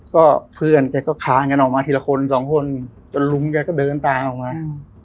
ก็เพื่อนแกก็คานกันออกมาทีละคนสองคนจนลุงแกก็เดินตามออกมา